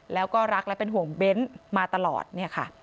แล้วก็รักและเป็นห่วงเบ้นมาตลอดเนี่ยค่ะ